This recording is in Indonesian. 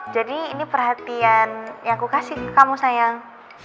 jadi ini perhatian yang aku kasih ke kamu sayang